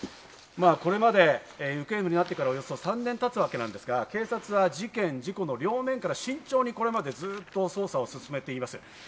これまで行方不明になってから３年経つわけなんですが、警察は事件・事故の両面から慎重にこれまでずっと捜査を進めています。